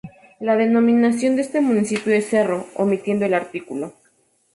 La denominación de este municipio es Cerro, omitiendo el artículo.